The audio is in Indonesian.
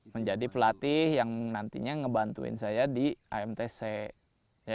menjadi pelatih yang nantinya ngebantuin saya di amtc